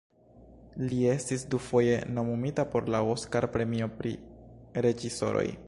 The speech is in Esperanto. Li estis dufoje nomumita por la Oskar-premio pri reĝisoroj.